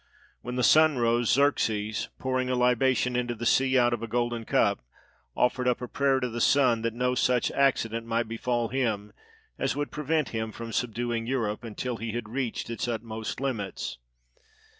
When the sun rose, Xerxes, pouring a libation into the sea out of a golden cup, ofTered up a prayer to the sun that no such accident might befall him as would prevent him from subduing Europe until he had reached its utmost limits.